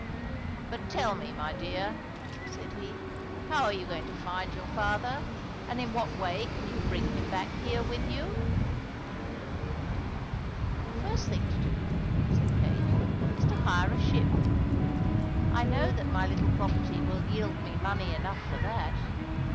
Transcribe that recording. "But tell me, my dear," said he, "how are you going to find your father, and in what way can you bring him back here with you?" "The first thing to do," said Kate, "is to hire a ship; I know that my little property will yield me money enough for that.